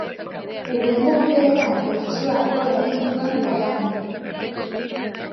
Hurrengo urteetan tentsioak gora egin zuen Jordanian.